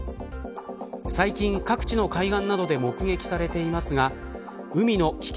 最近、各地の海岸などで目撃されていますが海の危険